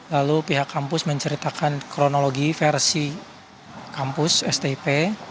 lalu pihak kampus menceritakan kronologi versi kampus stip